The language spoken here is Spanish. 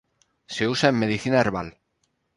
Se usa en medicina herbal.